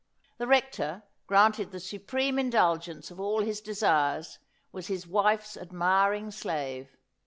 The Rector, granted the supreme indulgence of all his desires, was his wife's admiring slave.